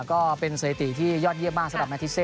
ก็เป็นสถิติที่ยอดเยี่ยมมากสำหรับแมทิเซ